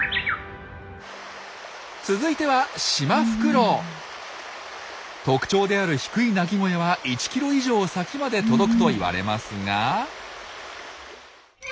続いては特徴である低い鳴き声は１キロ以上先まで届くと言われますが。